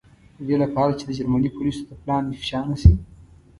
د دې له پاره چې د جرمني پولیسو ته پلان افشا نه شي.